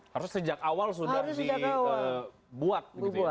harus sejak awal sudah dibuat